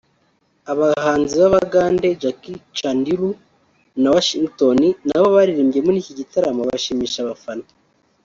Abahanzi b’abagande Jackie Chandiru na Washington na bo baririmbye muri iki gitaramo bashimisha abafana